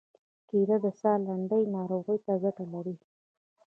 کېله د ساه لنډۍ ناروغۍ ته ګټه لري.